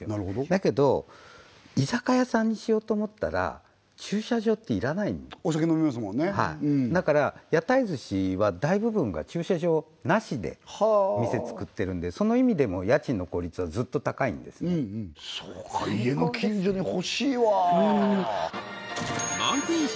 だけど居酒屋さんにしようと思ったら駐車場って要らないお酒飲みますもんねだからや台ずしは大部分が駐車場なしで店作ってるんでその意味でも家賃の効率はずっと高いんですね最高ですね